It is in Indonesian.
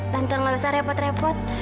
tante gak usah repot repot